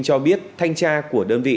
cho biết thanh tra của đơn vị